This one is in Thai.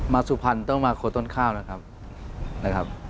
สุพรรณต้องมาโคต้นข้าวนะครับนะครับ